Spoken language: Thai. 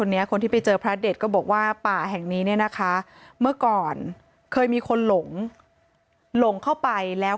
ทีนี้ก็หันไปดูก็ไม่พบคนสองคนนั้น